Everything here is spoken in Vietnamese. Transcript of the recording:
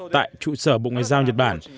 tại trụ sở bộ ngoại giao nhật bản